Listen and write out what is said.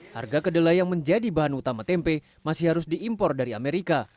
harga kedelai yang menjadi bahan utama tempe masih harus diimpor dari amerika